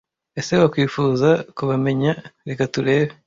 Ese wakwifuza kubamenya Reka turebe